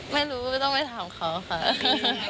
ไม่รู้ไม่ต้องไปถามเขาค่ะ